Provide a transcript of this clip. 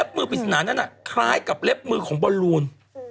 มือปริศนานั้นคล้ายกับเล็บมือของบอลลูน